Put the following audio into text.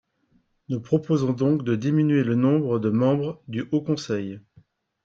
Nous proposons donc de diminuer le nombre de membres du Haut conseil.